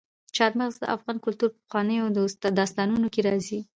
چار مغز د افغان کلتور په پخوانیو داستانونو کې راځي.